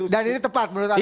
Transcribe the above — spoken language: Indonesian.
dan ini tepat menurut anda